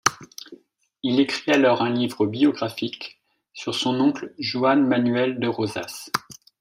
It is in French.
Il écrit alors un livre biographique sur son oncle Juan Manuel de Rosas.